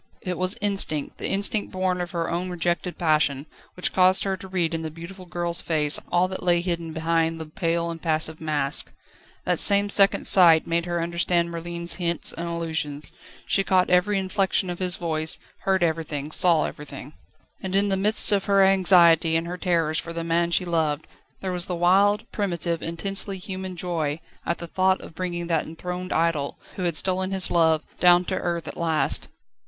It was instinct, the instinct born of her own rejected passion, which caused her to read in the beautiful girl's face all that lay hidden behind the pale, impassive mask. That same second sight made her understand Merlin's hints and allusions. She caught every inflection of his voice, heard everything, saw everything. And in the midst of her anxiety and her terrors for the man she loved, there was the wild, primitive, intensely human joy at the thought of bringing that enthroned idol, who had stolen his love, down to earth at last.